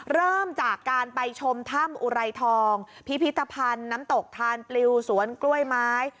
เริ่มจากการไปชมถ้ำอุไรทองพิพิธภัณฑ์น้ำตกทานปลิวสวนกล้วยไม้